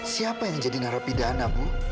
siapa yang jadi narapidana bu